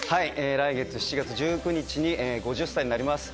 来月７月１９日に５０歳になります。